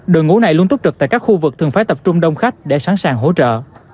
đội ngũ này luôn túc trực tại các khu vực thường phải tập trung đông khách để sẵn sàng hỗ trợ